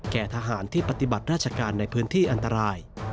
ทหารที่ปฏิบัติราชการในพื้นที่อันตราย